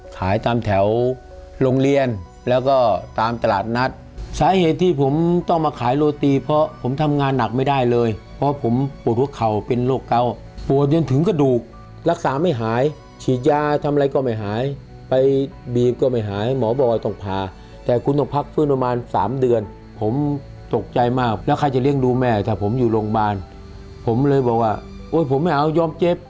ขายตามแถวโรงเรียนแล้วก็ตามตลาดนัดสาเหตุที่ผมต้องมาขายโรตีเพราะผมทำงานหนักไม่ได้เลยเพราะผมปวดหัวเข่าเป็นโรคเกาปวดจนถึงกระดูกรักษาไม่หายฉีดยาทำอะไรก็ไม่หายไปบีบก็ไม่หายหมอบอกว่าต้องผ่าแต่คุณต้องพักฟื้นประมาณสามเดือนผมตกใจมากแล้วใครจะเลี้ยงดูแม่ถ้าผมอยู่โรงพยาบาลผมเลยบอกว่าโอ้ยผมไม่เอายอมเจ็บ